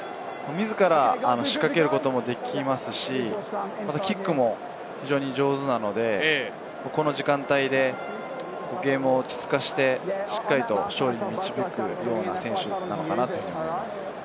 自ら仕掛けることもできますし、キックも非常に上手なので、この時間帯でゲームを落ち着かせて、しっかりと勝利に導くような選手なのかなと思います。